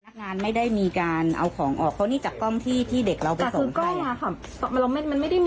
คุณไม่มีบันทึกไงค่ะ